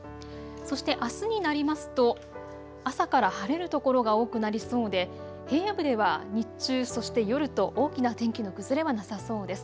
そしてあすになりますと朝から晴れる所が多くなりそうで平野部では日中、そして夜と大きな天気の崩れはなさそうです。